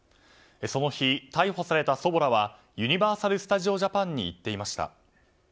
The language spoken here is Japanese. その日、逮捕された祖母らはユニバーサル・スタジオ・ジャパンに行っていました。